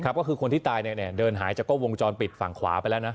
คือคนที่ตายเนี่ยเดินหายจากก็วงจรปิดฝั่งขวาไปแล้วนะ